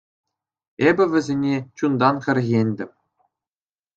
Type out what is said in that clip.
Эпӗ вӗсене чунтан хӗрхентӗм.